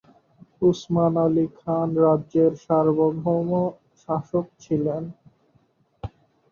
উসমান আলি খান রাজ্যের সার্বভৌম শাসক ছিলেন।